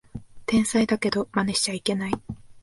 天才だけどマネしちゃいけない